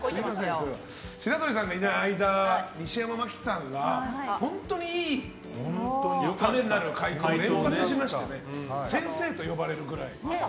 白鳥さんがいない間西山茉希さんが本当にいい、ためになる回答をしてまして先生と呼ばれるくらい。